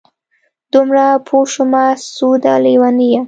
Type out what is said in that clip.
دومره پوه شومه سعوده لېونیه!